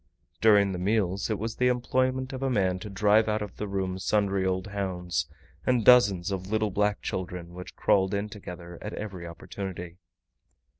During the meals, it was the employment of a man to drive out of the room sundry old hounds, and dozens of little black children, which crawled in together, at every opportunity.